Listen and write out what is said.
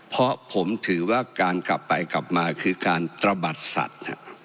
เพราะผมถือว่าการกลับไปกลับมาคือการตระบัดสัตว์